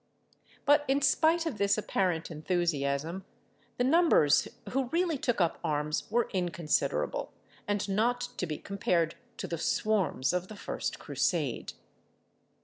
But in spite of this apparent enthusiasm, the numbers who really took up arms were inconsiderable, and not to be compared to the swarms of the first Crusade.